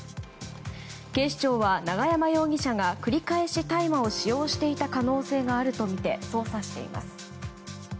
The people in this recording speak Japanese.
警視庁は、永山容疑者が繰り返し大麻を使用していた可能性があるとみて捜査しています。